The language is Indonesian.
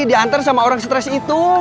diantar sama orang stres itu